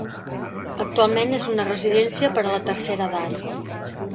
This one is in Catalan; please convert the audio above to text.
Actualment és una residència per a la tercera edat.